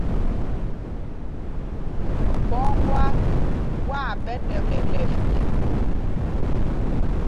Mbɔ ŋgát waa ɓɛ nɛ khul ɛ́pil ɗum.